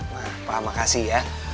nah pak makasih ya